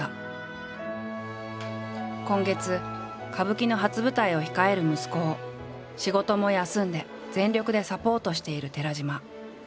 今月歌舞伎の初舞台を控える息子を仕事も休んで全力でサポートしている寺島。